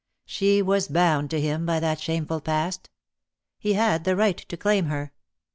She was bound to him by that shameful past. He had the right to claim her.